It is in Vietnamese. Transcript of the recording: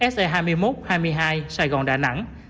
se hai mươi một hai mươi hai sài gòn đà nẵng